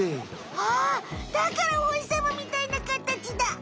あっだからおほしさまみたいなかたちだ。